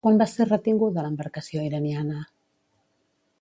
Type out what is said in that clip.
Quan va ser retinguda l'embarcació iraniana?